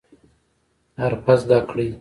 حرفه زده کړئ